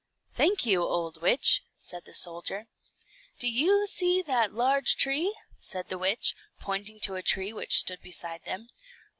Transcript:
"Thank you, old witch," said the soldier. "Do you see that large tree," said the witch, pointing to a tree which stood beside them.